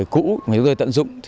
cũ mà chúng tôi tận dụng